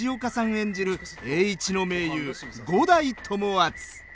演じる栄一の盟友五代友厚。